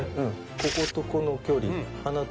こことこの距離鼻と。